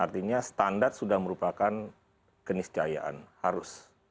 artinya standar sudah merupakan keniscayaan harus